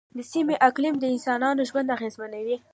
د سیمې اقلیم د انسانانو ژوند اغېزمنوي.